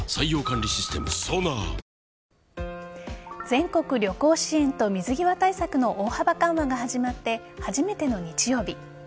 全国旅行支援と水際対策の大幅緩和が始まって初めての日曜日。